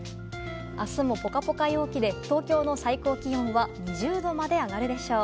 明日もポカポカ陽気で東京の最高気温は２０度まで上がるでしょう。